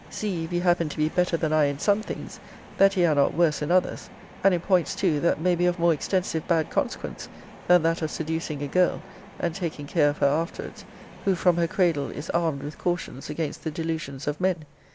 See, if ye happen to be better than I in some things, that ye are not worse in others; and in points too, that may be of more extensive bad consequence, than that of seducing a girl, (and taking care of her afterwards,) who, from her cradle, is armed with cautions against the delusions of men.'